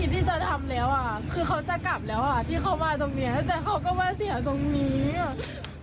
แต่เขาก็มาเสียตรงนี้อ่ะ